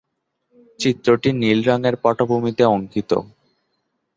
চিত্রটি নীল রঙের পটভূমিতে অঙ্কিত।